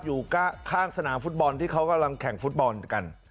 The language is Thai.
อยู่ข้างสนามฟุตบอลที่เขากำลังแข่งฟุตบอลกัน